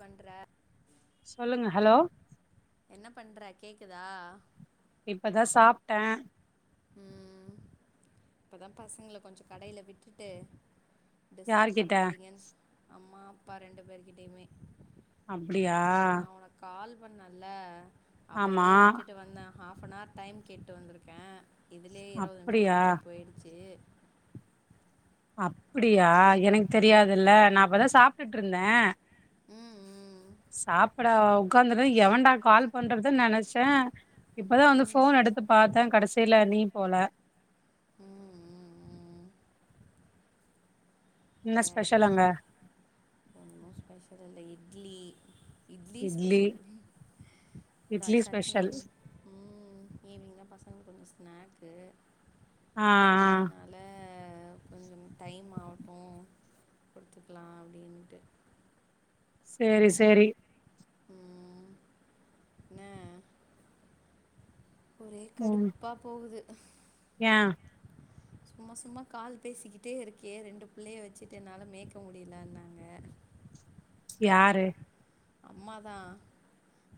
பண்ற சொல்லுங்க ஹலோ என்ன பண்ற கேக்குதா இப்பதா சாப்ட்டே ம் இப்பதா பசங்கள கொஞ்சொ கடைல விட்டுட்டு டிஸ்டப் யார்கிட்ட பண்ணாதீங்கன் [inaudible] அம்மா அப்பா ரெண்டு பேர்க்கிட்டயுமே அப்டியா கால் பண்ணல்ல ஆமா அப்பவே விட்டுட்டு வந்த ஹாஃபனார் டைம் கேட்டு வந்திருக்கே இதுலே இருவது அப்டியா நிம்ஷத்துக்கு மேலே போயிடுச்சு அப்புடியா எனக்த் தெரியாதுல்ல நா அப்பதா சாப்ட்டுட்ருந்தே ம் ம் சாப்புட உக்காந்தது எவண்டா கால் பண்றதுன்னு நெனச்ச இப்பதா வந்து ம் ஃபோன் எடுத்து பாத்த கடைசில நீ போல ம் ம் ம் என்ன சரி ஸ்பெஷல் அங்க சரி ஒன்னு ஸ்பெஷல்ல இட்லி இட்லி ஸ்பெஷல் எதா இட்லி ஸ்பெஷல் சட்னிந் ம் ஈவினிங்தா பசங்களுக்கு கொஞ்ச ஸ்நாக்கு ஆ செரி ஆ அதனா ல கொஞ்சம் டைம் ஆவுட்டு குடுத்துக்லா அப்டின்ட்டு செரி சேரி ம் ன்ன ஒரே கடுப்பா போகுது யெ சும்மா சும்மா கால் பேசிக்கிட்டே இருக்கியே ரெண்டு பிள்ளய வச்சுட்டு என்னால மேய்க முடியலன்னாங்க யாரு அம்மாதா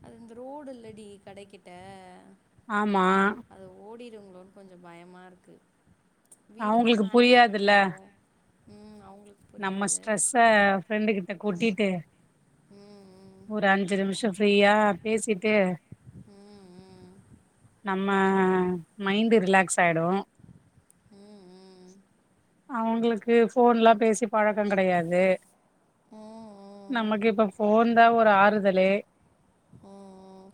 அது இந்த ரோடு இல்லடி கடைக்கிட்ட ஆமா அது ஓடிருங்களோன்னு கொஞ்சோ பயமா இருக்கு வீடுனா அவுங்களுக்கு மேனேஜ் புரியாதுல்ல பண்ணிடுவோ ம் அவங்களுக் நம்ம ஸ்ட்ரெஸ்ஸ ஃப்ரெண்டு கிட்ட கொட்டிட்டு ம் ஒரு அஞ்சு நிமிஷோ ஃப்ரீயா பேசிட்டு ம் ம் நம்ம மைண்டு் ரிலாக்ஸ் ஆயிடுவோ ம் ம் அவங்களுக்கு போன்லா பேசி பழக்கோ கிடையாது நமக்கு இப்ப ஃபோன் தா ஒரு ஆறுதலே ம் ம்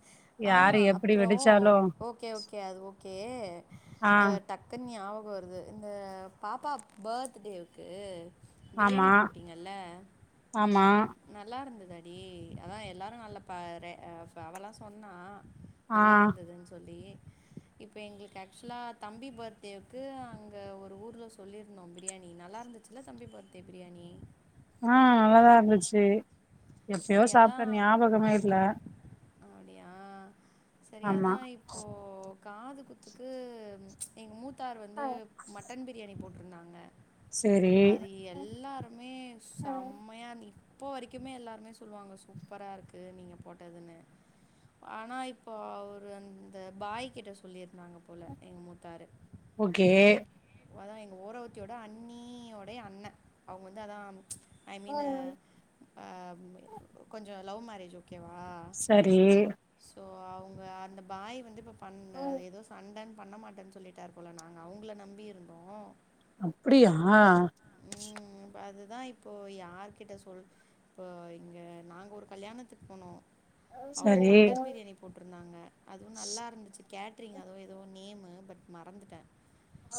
ஆ யாரு எப்டி அப்புறோ வெடிச்சாலு ஓகே ஓகே அது ஓகே ஆ அ டக் குனு ஞாபகோவருது இந்த பாப்பா பர்த்டேவுக்கு ஆமா பிரியாணி போட்டீங்கல்ல ஆமா நல்லா இருந்த தாடி அதா எல்லாரு நல்ல ப அவலா சொன்னா ஆ நல்லா இருந்ததுன்னு சொல்லி இப்போ எங்களுக்கு ஆக்சுவலாக தம்பி பர்த்டேவுக்கு அங்கே ஒரு ஊர்ல சொல்லியிருந்தோ பிரியாணி நல்லா இருந் ச்சில தம்பி ஃபட்டே பிரியாணி ஆ நல்லாதா இருந்துச்சு எப்பயோ சரி சாப்பிட்டே ஞாபகமே இல்ல அப்டியா சரி ஆமா அதா இ ப்போ காது குத்துக்கு எங்க மூத்தார் வந்து மட்டன் பிரியாணி போட் ட்ருந்தாங்க சேரி அது எல்லாருமே செம்மையா நீ இப்போ வரைக்குமே எல்லாருமே சொல்லுவாங்க சூப்பரா இருக்கு நீங்க போட்டதுன்னு ஆனா இப்போ அவரு அந்த பாய்கிட்ட சொல்லியிருந்தாங்க போல எங்க மூத்தாரு ஓகே அதா எங்க ஓரவத்தியோட அண்ணீயோட அண்ண அவங்க வந்து அதா ஐ மீனு ஆ கொஞ்சோ லவ் மேரேஜு ஓகேவா சரி சோ அவங்க அந்த பாய் வந்து இப்ப பண்ண ஏதோ சண்டனு பண்ண மாட்டேன்னு சொல்லி ட்டாரு போல நாங்க அவங்கள நம்பி இருந்தோ அப்டியா ம் இப்ப அதுதா இப்போ யார் கிட்ட சொல் இப்போ இங்க நாங்க ஒரு கல்யாணத்துக்கு போனோ அவங்க சரி மட்டன் பிரியாணி போட்டுருந்தாங்க அதுவு நல்லா இருந்துச்சு கேட்ரிங் அதோ ஏதோ நேமு பட் மறந்துட்டே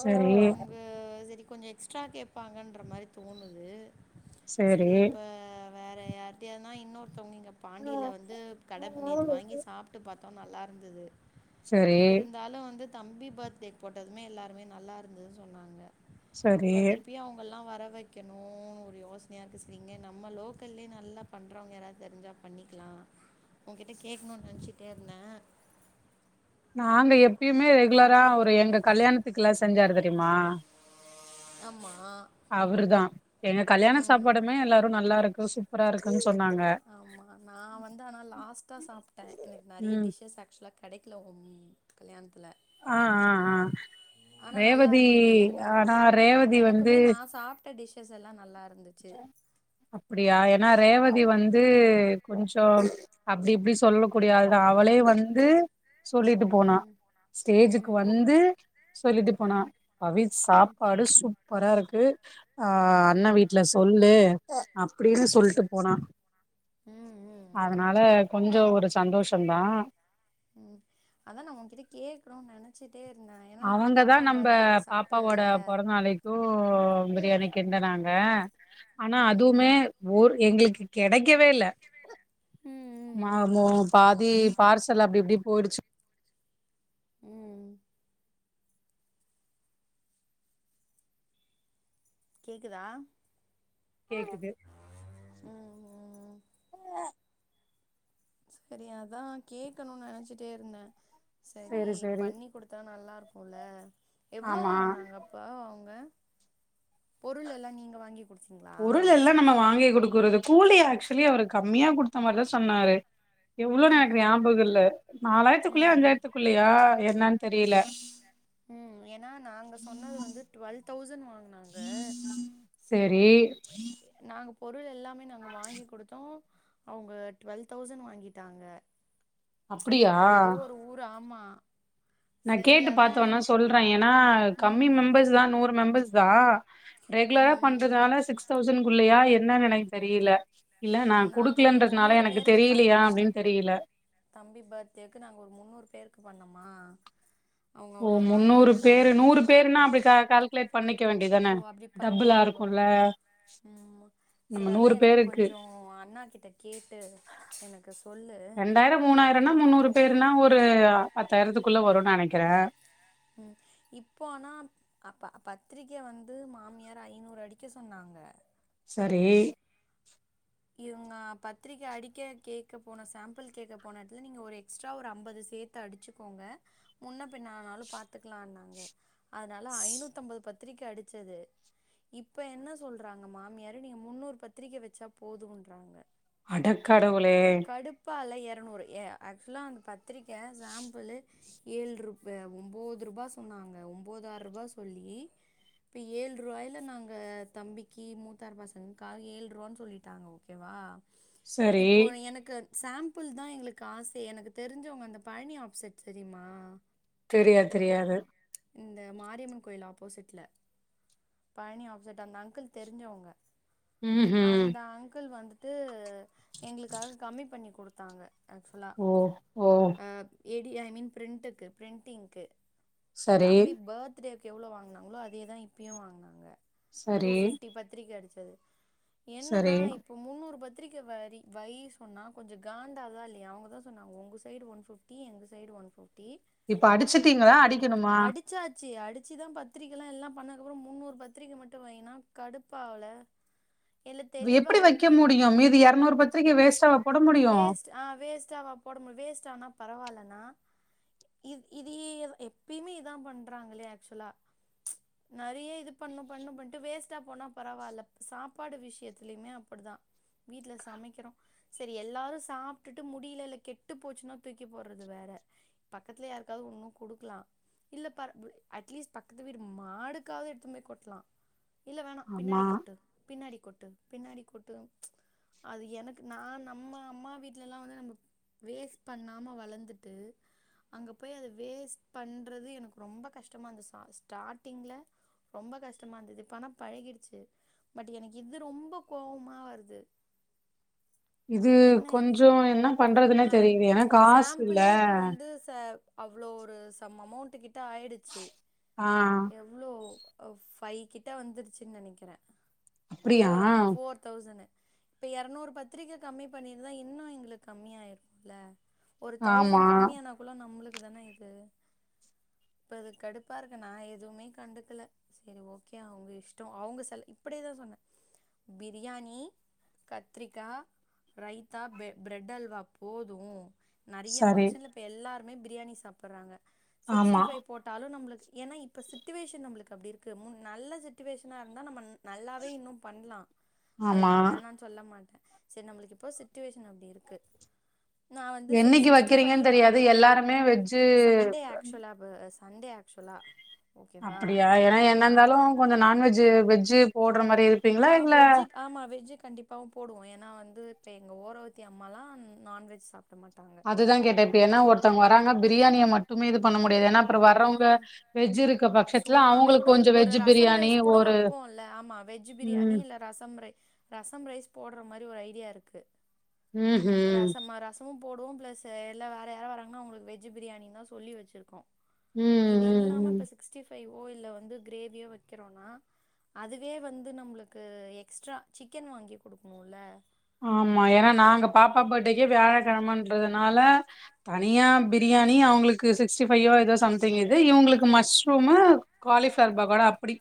சரி அவங்க சரி கொஞ்சோ எக்ஸ்ட்ரா கேட்பாங்கன்ற மாரி தோணுது சரி சேரி இப்ப வேற யார் ஏனா இன்னொருத்தவங்க இங்க பாண்டியில வந்து கட நேத்து வாங்கி சாப்ட்டு பாத்தோ நல்லா இருந்தது சரி இருந்தாலு வந்து தம்பி பர்த்டேக்கு போட்டதுமே எல்லாருமே நல்லா இருந்ததுன்னு சொன்னாங்க இப்ப சரி திருப்பியு அவங்கல்லா வர வச் கணு ஒரு யோசனயா இருக்குறீங்க நம்ம லோக்கல்லேயே நல்லா பண்ணுறவங்க யாராவது தெரிஞ்சா பண்ணிக்கலா உங்கிட்ட கேட்கலாணு நெனச்சிட்டு இருந்த நாங்க எப்பயுமே ரெகுலரா ஒரு எங்க கல்யாணத்துக்கு எல்லா செஞ்சரு தெரியுமா ஆமா அவரு தா எங்க கல்யாண சாப்பாடுமே எல்லாரு நல்லா இருக்கு சூப்பரா இருக்குன்னு சொன்னாங்க ஆமா நா வந்து ஆனா லாஸ்ட்டா சாப்ட்ட எனக்கு நெறைய ம் டிஷஸ் ஆக்சுவலா கிடைக்கல பொம்மி கல்யாணத்துல ஆ ஆ ஆ ஆனா நல்லா ரேவதி இருந்தது எனக்கு ஆனா ரேவதி வந்து எனக்குமே நா சாப்ட்ட டிஷஸ் எல்லாமே நல்லா இருந்தது அப்டியா ஏன்னா ரேவதி வந்து கொஞ்ச அப்டி இப்டி சொல்ல கூடிய ஆளுதா அவளே வந்து சொல்லிட்டு ம் போனா ம் ஸ்டேஜுக்கு ம் வந்து சொல்லிட்டு ம் ம் போனா ம் பவி ம் சாப்பாடு சூப் பறா இருக்கு ஆ அண்ணா வீட் இல சொல்லு அப்டின்னு ம் சொல்லிட்டு போனா ம் ம் அதனால கொஞ்ச ஒரு சந்தோஷ தா ம் அத உங்கிட்ட கேக்கனுமுன்னு நெனச்ச அவங்கதா நம்ம பாப்பாவோட சாப்புல்லல பொறந்த நாளைக்கு பிரியாணி கேன்னுறாங்க ஆனா ம் அதுவுமே ம் மோர் எங்களுக்கு கெடைக்கவே இல்ல ம் மா ம் பாதி பார்ஸ் எல்லா அப்டி இப்டி போயிடுச்சு ம் கேக்குதா கேக்குது ம் ம் சரி அதா கேக்கணு நா நெனைச்சிட்டே இருந்த சரி சேரி சேரி பண்ணி கொடுத் குடுத்தா நல்லா இருக்கும்ல எவ்ளோ ஆமா வாங்னாங்க இப்ப அவங்க பொருள் எல்லா நீங்க வாங்கி குடுச் பொருள் எல்லா நம்ம வாங்கி கொடுக்கறது கூலி ஆக்சுவலி அவரு கம்மியா குடுத்த மாரிதா சொன்னாரு எவ்ளோ ம் எனக்கு ம் ஞாபக இல்ல நாலாயிரத்துக்குள்ளயா ம் அஞ்சாயிரத்துக்குள்ளயா என்னானு தெரியல ம் ஏனா நாங்க சொன்னது வந்து டுவெல் தௌசண்ட் வாங்னாங்க சேரி நாங்க பொருள் எல்லாமே நாங்க வாங்கி குடுத்தோ அவங்க டுவெல் தௌசண்ட் வாங்கிட்டாங்க அப்டியா அது ஏதோ ஒரு ஊர் ஆமா நா சரி கேட்டு அதா பாத்தோன்னா எனக்கு சொல்ற கம்மி ம் மெம்பர்ஸ் தா நூரு மெம்பர்ஸ் தா ரெகுலரா ம் பண்றதுனால சிக்ஸ் தௌசண்ட்குள்ளயா எ என்னன்னு எனக்கு தெரியல இல்ல நா ம் நாங்க ஒரு குடுக்கலன்றதுனால முன்னூறு எனக்கு பேருக்கு தெரியலயா பண்ணோ அப்டின்னு தெரியல தம்பி பர்த்டேக்கு நாங்க ஒரு முன்னூறு பேருக்கு பண்ணோமா அவங்க ஓ அவ்ளோ முன்னூறு வாங்கியிருந்தாங்க பேரு நூறு பேருனா அப்டி கா கால்குலேட் பண்ணிக்க வேண்டியதான ஓ அப்டி டபுல்லா பண்ணுவாங்களோ இருக்குல ம் மா சேரி அதா எனக்கு பேருக்கு கொஞ்சோ அண்ணா கிட்ட கேட்டு எனக்கு சொல்லு ரண்டாயிர மூணாயிரனா முந்நூறு பேருனா ஒரு பத்தாயிரத்துக்குள்ள வரு நெனைக்கிறே ம் இப்போ ஆனா அப்ப பத்திரிக்கை வந்து மாமியார் ஐநூறு அடிக்க சொன்னாங்க சரி இவுங்க பத்திரிக்க அடிக்க கேக்க போன சாம்பிள் கேக்க போன எடத்துல நீங்க ஒரு எக்ஸ்ட்ரா ஒரு ஐம்பது சேத் து அடுச்சுக்கோங்க முன்ன பின்ன ஆனாலு பாத்துக்கலானாங்க ஆதுனால ஸ்- ஐநூத்தம்பது பத்திரிக்க அடுச்சது இப்ப என்ன சொல்றாங்க மாமியாரு நீங்க முந்நூறு பத்திரிக்க வச்சா போதுன்றாங்க அடக் கடவுளே இப்ப அதுல எரநூறு ஏ ஆக்சுவலா அங்க பத்திரிக்க சாம்பிலு ஏழ்ரூபே ஒம்போது ரூபா சொன்னாங்க ஒம்போதா ரூபா சொல்லி இப்ப ஏழ்ருவாயில நாங்க தம்பிக்கி மூத்தார் பசங்கக்காக ஏழ்ரூவான்னு சொல்லிட்டாங்க ஓகேவா சரி இப்போ எனக்கு சாம்பிள் தா எங்களுக்கு காசே எனக்கு தெரிஞ்சவங்க அந்த பழனி ஆஃப்செட் தெரிமா தெரியாது தெரியாது இந்த மாரியம்மன் கோயில் ஆப்போசிட்ல பழனி ஆஃப்செட் அந்த அங்கிள் தெரிஞ்சவங்க ம் ஹும் அந்த அங்கிள் வந்துட்டு எங்களுக்காக கம்மி பண்ணி குடுத்தாங்க ஆக்சுவலா ஓ ஓ ஆ ஏடி ஐ மீன் ப்ரிண்ட்டுக்கு ப்ரிண்ட்ங்க்கு சரி தம்பி பேர்த்டேக்கு எவ்ளோ வாங்குனாங்ளோ அதே தா இப்பயு வாங்குனாங்க டூ சரி ஃபிஃப்டி பத்திரிக்க அடிச்சது என்னன்னா சரி இப்ப முந்நூறு பத்திரிக்க வரி வை சொன்னா கொஞ்ச காண்டாகுதா இல்லயா அவுங்கதா சொன்னாங்க உங்க சைடு ஒன் ஃபிஃப்டி எங்க சைடு ஒன் ஃபிஃப்டி இப்ப அடுச்சிட்டீங்களா அடிக்கணுமா ச்சாச்சு அடிச்சி தா பத்திரிக்கலா எல்லா பண்ணதுக்கப்புற முந்நூறு பத்திரிக்க மட்டு வை னா கடுப்பாவல இல்ல தெளிவா எப்டி வைக்க வந்து முடியு மீது எரநூறு பத்திரிக்க வேஸ்ட்டாவா போட முடியு வேஸ்ட் ஆ வேஸ்ட்டாவா போட மு வேஸ்ட் ஆனா பரவால்லன்னா இத் இது ஏதா எப்பயுமே இதா பண்றாங்ளே ஆக்சுவலா நெறைய இது பண்ணு பண்ணு பண்ணிட்டு வேஸ்ட்டா போனா பரவால்ல சாப்பாடு விஷயத்தலயுமே அப்டிதா வீட்ல ஸ் சமைக்கிறோ சேரி எல்லாரு சாப்ட்டுட்டு முடில இல்ல கெட்டு போச்சுன்னா தூக்கி போடுறது வேற பக்கத்துல யார்க்காவது உன்னு குடுக்கலா இல்ல ப அட்லீஸ்ட் பக்கத்து வீடு மாடுக்காவது எடுத்துன் போய் கொட்லா இல்ல வேணா ஆமா பின்னாடி கொட்டு பின்னாடி கொட்டு பின்னாடி கொட்டு அது எனக்கு நா நம்ம அம்மா வீட்லல்லா வந்து நம்ம வேஸ்ட் பண்ணாம வளந்துட்டு அங்க போய் அத வேஸ்ட் பண்றது எனக்கு ரொம்ப கஷ்டமா அந்த சா ஸ்டார்ட்டிங்ல ரொம்ப கஷ்டமா இருந்தது இப்ப ஆனா பழகிடுச்சு பட் எனக்கு இது ரொம்ப கோவமா வருது இது என்ன இது கொஞ்சோ என்ன பண்றதுன்னே ஆ தெரில ஏனா காசுல சாம்பிளே இப்போ வந்து ச அவ்ளோ ஒரு சம் அமவுண்ட்டு கிட்ட ஆயிடுச்சு ஆ இவ்ளோ ஃபைவ் கிட்ட வந்துருச்சுன் நெனைக்கிறே அப்படியா ஃபோர் ஆ ஃபோர் தௌசனு இப்ப எரநூறு பத்திரிக்க கம்மி பண்ணிருந்தா இன்னு எங்களுக்கு கம்மியாயிருக்குல ஒரு ஆமா தௌசண்ட் கம்மியானா குள்ள நம்மளுக்கு தான இது இப்ப இது கடுப்பாருக்கு நா எதுவுமே கண்டுக்கல செரி ஓகே அவுங்க இஷ்டோ அவுங்க செல இப்டியே தா சொன்னே பிரியாணி கத்ரிக்கா ரைத்தா பிர பிரெட் அல்வா போது நெறையா சரி ஃபங்க்ஷன்ல இப்ப எல்லாருமே பிரியாணி சாப்பிடுறாங்க சிக்ஸ்டி ஆமா ஃபைவ் போட்டாலு நம்மளுக்கு ஏனா இப்ப சுச்சவேஷன் நம்மளுக்கு அப்டி இருக்கு முன் நல்ல சுச்சவேஷனா இருந்தா நம்ம நல்லாவே இன்னு பண்லா அது ஆமா நா வேணானு சொல்ல மாட்டே செரி நம்மளுக்கு இப்போ சுச்சுவேஷன் அப்டி இருக்கு நா வந்து செரி என்னைக்கு சிக்ஸ்டி ஃபையு வைக்கிறீங்கன்னு தெரியாது வேணா எல்லாருமே வெஜ்ஜு சண்டே ஆக்சுவலா வ சண்டே ஆக்சுவலா ஓகேவா அப்டியா ஏனா என்னா ஆ இருந்தாலு கொஞ்சோ நான்வெஜ்ஜு வெஜு போட்ற மாரி இருப்பீங்களா ஆ இல்ல வெஜு ஆமா வெஜ்ஜு கண்டிப்பாவு போடுவோ ஏனா வந்து இப்ப எங்க ஓரவத்தி அம்மாலா நான்வெஜ் சாப்ட மாட்டாங்க அதுதா கேட்டே ஏனா இப்ப ஒருத்தங்க வராங்க பிரியாணிய மட்டுமே இது பண்ண முடியாது ஏனா அப்றோ வரறவங்க ம் வெஜ் இருக்க பட்சத்துல சும்மாவே கூட அவுங்களுக்கு கொஞ்ச ஒரு வெஜ் ரசம் பிரியாணி ரைஸ் கூட ஒரு வப்போல்ல ஆமா வெஜ் பிரியாணி ம் இல்ல ரசம் ரை ரசம் ரைஸ் போடுற மாதிரி ஒரு ஐடியா இருக்கு ம்ஹும் ரசமா ரசமும் போடுவோ பிளஸ் எல்லா வேற யாரா வராங்கனா அவுங்களுக்கு வெஜ் பிரியாணினா சொல்லி வச்சுருக்கோ ம் இது ம் இல்லாம ம் இப்ப சிக்ஸ்டி ஃபைவோ இல்ல வந்து கிரேவியோ வைக்கிறோனா அதுவே வந்து நம்மளுக்கு எக்ஸ்ட்ரா சிக்கன் வாங்கி குடுக்கணுல்ல ஆமா ஏனா நாங்க பாப்பா பேர்த்டேக்கு வியாழக்கெழமன்றதுனால தனியா பிரியாணி அவுங்களுக்கு சிக்ஸ்ட்டி ஃபையோ எதோ சம்திங்கு இது இவுங்களுக்கு மஷ்ரூமு காலிஃப்ளவர் பக்கோடா அப்டி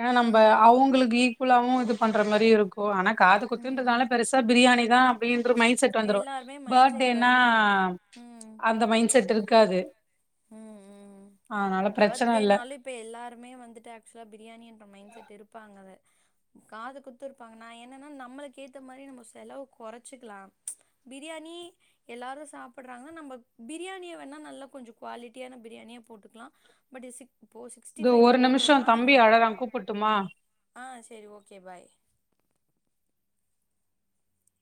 ஏனா நம்ம ம் ம் அவுங்களுக்கு ஈக்குவலாவு இது பண்ற மாதிரி இருக்கு ஆனா காது ம் குத்துன்றதுனால ம் பெருசா பிரியாணி தா அப்டின்ற மைண்ட் செட் வந்துரு எல்லாருமே மைண்ட் செட் பேர்த்டேனா வருவாங்க ம் அந்த மைண்ட் செட் இருக்காது ம் ம் அதனால பிரச்சன பேர்த்டே இல்ல நாளே இப்ப எல்லாருமே வந்துட்டு ஆக்சுவலா பிரியாணி என்ற மைண்ட் செட் இருப்பாங்க அவ காது குத்து இருப்பாங்க நா என்னன்னா நம்மளுக்கு ஏத்த மாதிரி நம்ம செலவு கொறைச்சிக்கலா பிரியாணி எல்லாரு சாப்பிட்றாங்க நம்ம பிரியாணிய வேணா நல்லா கொஞ்சோ குவாலிட்டியான பிரியாணியா போட்டுக்கலா பட் இ சிக் இப்போ சிக்ஸ்டி இது ஃபைவ் ஒரு நிமிஷோ போடுறோனா அது தம்பி ஏன் அழறா கூப்புட்டுமா ஆ சேரி ஓகே பாய்